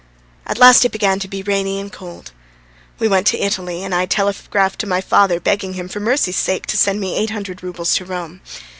At last it began to be rainy and cold. We went to Italy, and I telegraphed to my father begging him for mercy's sake to send me eight hundred roubles to Rome.